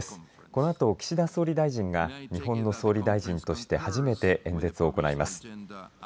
このあと岸田総理大臣が日本の総理大臣として初めて演説を行います。